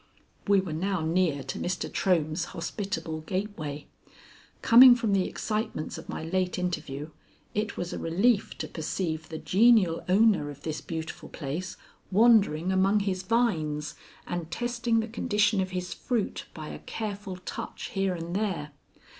We were now near to Mr. Trohm's hospitable gateway. Coming from the excitements of my late interview, it was a relief to perceive the genial owner of this beautiful place wandering among his vines and testing the condition of his fruit by a careful touch here and there.